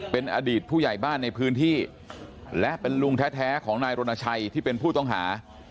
เป็นอดีตผู้ใหญ่บ้านในพื้นที่และเป็นลุงแท้ของนายรณชัยที่เป็นผู้ต้องหา